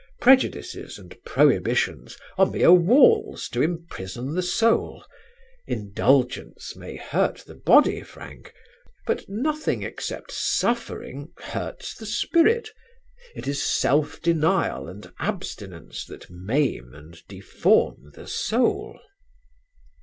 Prejudices and prohibitions are mere walls to imprison the soul. Indulgence may hurt the body, Frank, but nothing except suffering hurts the spirit; it is self denial and abstinence that maim and deform the soul."